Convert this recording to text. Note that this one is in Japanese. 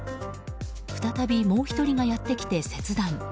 再びもう１人がやってきて切断。